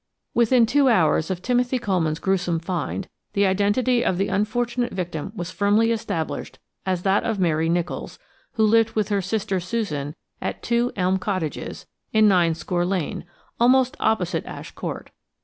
Within two hours of Timothy Coleman's gruesome find the identity of the unfortunate victim was firmly established as that of Mary Nicholls, who lived with her sister Susan at 2, Elm Cottages, in Ninescore Lane, almost opposite Ash Court.